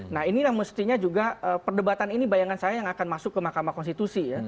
nah inilah mestinya juga perdebatan ini bayangan saya yang akan masuk ke mahkamah konstitusi ya